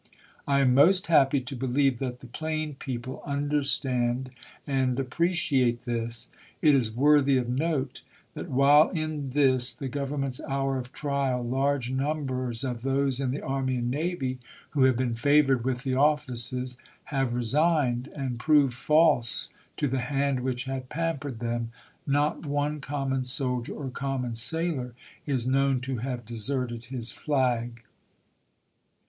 I am most happy to believe that the plain people understand and appreciate this. It is worthy of note, that while in this the Government's hour of trial large numbers of those in the army and navy who have been favored with the offices have resigned, and proved false to the hand which had pampered them, not one common soldier, or common sailor, is known to have deserted his flag.